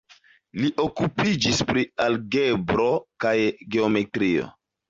Li okupiĝis pri algebro kaj geometrio.